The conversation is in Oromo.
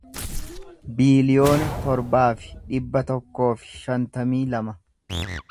biiliyoona torbaa fi dhibba tokkoo fi shantamii lama